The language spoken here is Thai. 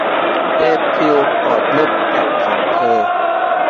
เอพิลกอดลูกแกะของเธอ